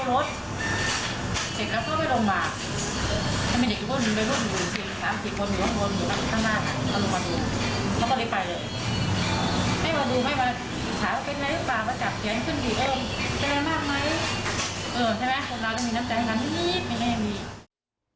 เอิิมใช่ไหมคนราวน้ำแกร่งชั้นน้ำนี้ไม่แน่มี